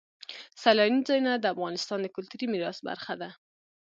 سیلاني ځایونه د افغانستان د کلتوري میراث برخه ده.